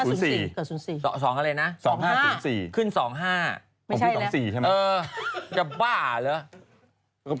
มันจะบ้าเหรอ